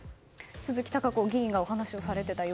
鈴木貴子議員がお話をされていたように。